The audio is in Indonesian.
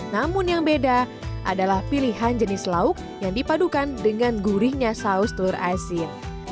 namun yang beda adalah pilihan jenis lauk yang dipadukan dengan gurihnya saus telur asin